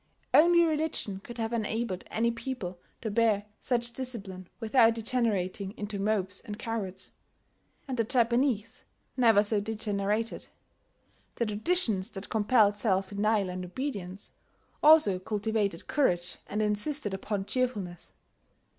Only religion could have enabled any people to bear such discipline without degenerating into mopes and cowards; and the Japanese never so degenerated: the traditions that compelled self denial and obedience, also cultivated courage, and insisted upon cheerfulness.